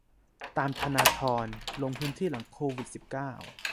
ตามธนาธร ลงพื้นที่หลังโควิด สิบเก้า